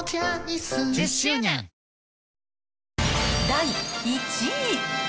第１位。